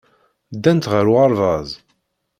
Ddant ɣer uɣerbaz.